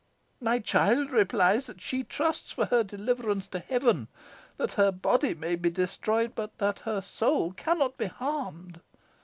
My child replies that she trusts for her deliverance to Heaven that her body may be destroyed that her soul cannot be harmed.